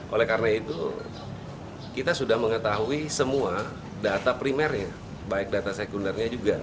oleh karena itu kita sudah mengetahui semua data primernya baik data sekundernya juga